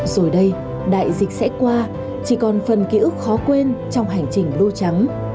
rồi đây đại dịch sẽ qua chỉ còn phần ký ức khó quên trong hành trình đu trắng